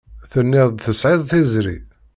Tenniḍ-d tesɛiḍ tiẓri.